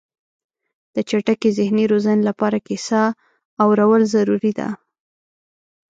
د چټکې ذهني روزنې لپاره کیسه اورول ضروري وه.